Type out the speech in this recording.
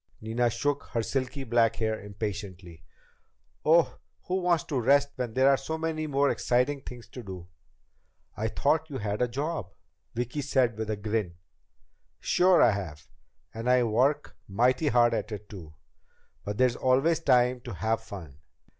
Nina shook her silky black hair impatiently. "Oh, who wants to rest when there are so many more exciting things to do?" "I thought you had a job," Vicki said with a grin. "Sure I have. And I work mighty hard at it too. But there's always time to have fun."